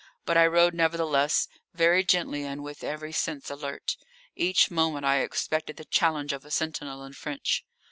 But I rode, nevertheless, very gently and with every sense alert. Each moment I expected the challenge of a sentinel in French.